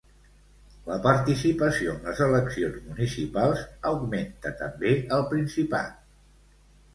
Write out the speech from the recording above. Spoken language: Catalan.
La participació en les eleccions municipals augmenta també al Principat.